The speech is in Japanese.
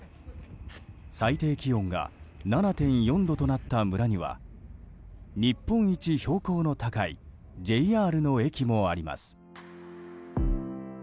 最低気温が７．４度となった村には日本一標高の高いＪＲの駅もあります。